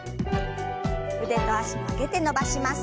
腕と脚曲げて伸ばします。